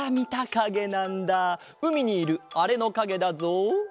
うみにいるあれのかげだぞ。